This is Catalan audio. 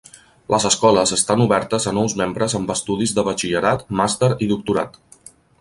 Les escoles estan obertes a nous membres amb estudis de batxillerat, màster i doctorat.